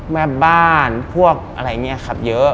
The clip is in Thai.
แม่บ้านพวกอะไรเงี้ยครับเยอะ